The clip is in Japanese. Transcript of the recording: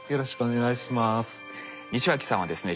西脇さんはですね